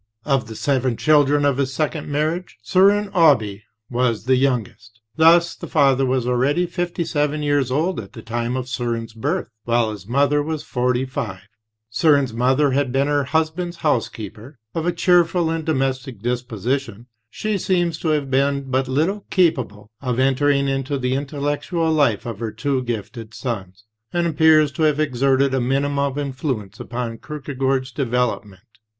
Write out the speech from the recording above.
Of the seven children of this second marriage, Soren Aabye was the youngest. Thus the father was already fifty seven years old at the time of Soren's birth, while his mother was forty five. Soren's mother had been her husband's housekeeper. Of a cheerful and domestic disposition, she seems to have been but little capable of entering into the intellectual life of her two gifted sons, and appears to have exerted a minimum of influence upon Kierkegaard's development.